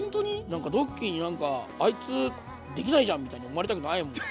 なんかドッキーになんかあいつできないじゃんみたいに思われたくないもん。